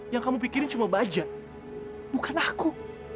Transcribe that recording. yang kamu pikirin cuma baja bukan aku